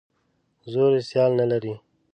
زور یې سیال نه لري.